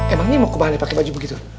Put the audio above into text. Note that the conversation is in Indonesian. emang ini mau kemana pakai baju begitu